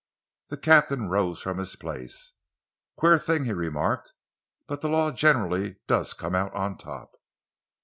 The captain rose from his place. "Queer thing," he remarked, "but the law generally does come out on top."